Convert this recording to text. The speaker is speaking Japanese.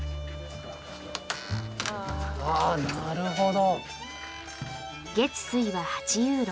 あなるほど。